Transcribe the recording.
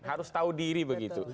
harus tahu diri begitu